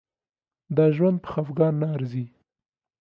دا ژوند په خفګان نه ارزي.